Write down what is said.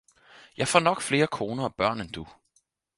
Jeg får nok flere koner og børn end du